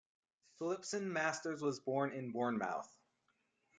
Phillipson-Masters was born in Bournemouth.